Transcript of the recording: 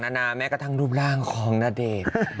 นานาแม้กระทั่งรูปร่างของณเดชน์